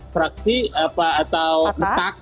fraksi atau betak